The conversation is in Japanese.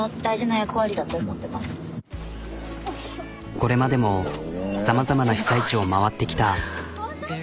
これまでもさまざまな被災地を回ってきた。